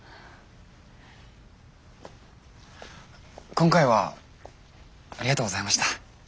今回はありがとうございました。